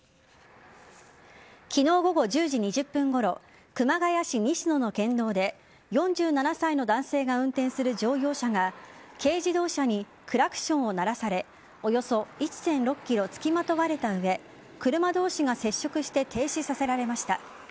昨日午後１０時２０分ごろ熊谷市西野の県道で４７歳の男性が運転する乗用車が軽自動車にクラクションを鳴らされおよそ１．６ｋｍ付きまとわれた上車同士が接触して停止させられました。